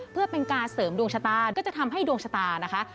เพื่อเป็นการเสริมดวงชะตาก็จะทำให้ดวงชะตานะคะ